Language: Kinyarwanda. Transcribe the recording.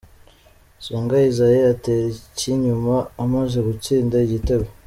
Songa Isaie atera ikinyuma amaze gutsinda igitego.